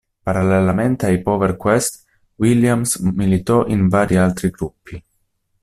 Parallelamente ai Power Quest, Williams militò in vari altri gruppi.